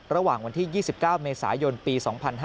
ระหว่างวันที่๒๙เมษายนปี๒๕๕๙